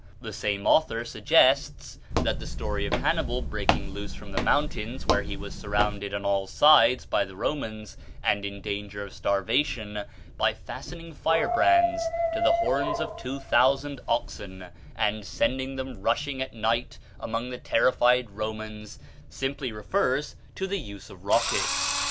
The same author suggests that the story of Hannibal breaking loose from the mountains where he was surrounded on all sides by the Romans, and in danger of starvation, by fastening firebrands to the horns of two thousand oxen, and sending them rushing at night among the terrified Romans, simply refers to the use of rockets.